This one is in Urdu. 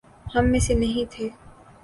ہم میں سے نہیں تھے؟